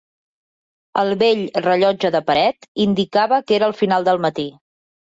El vell rellotge de paret indicava que era el final del matí.